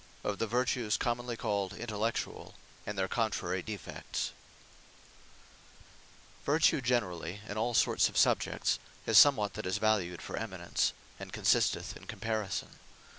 OF THE VERTUES COMMONLY CALLED INTELLECTUAL; AND THEIR CONTRARY DEFECTS Intellectuall Vertue Defined Vertue generally, in all sorts of subjects, is somewhat that is valued for eminence; and consisteth in comparison.